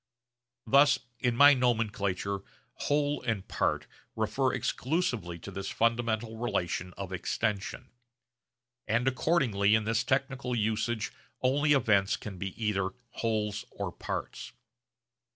Thus in my nomenclature 'whole' and 'part' refer exclusively to this fundamental relation of extension; and accordingly in this technical usage only events can be either wholes or parts.